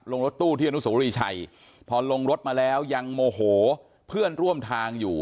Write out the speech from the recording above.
รถตู้ที่อนุโสรีชัยพอลงรถมาแล้วยังโมโหเพื่อนร่วมทางอยู่